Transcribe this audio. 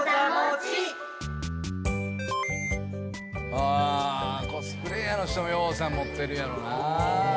あコスプレイヤーの人もようさん持ってるやろな。